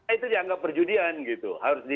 itu dianggap perjudian gitu